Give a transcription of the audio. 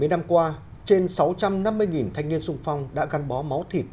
bảy mươi năm qua trên sáu trăm năm mươi thanh niên sung phong đã gắn bó máu thịt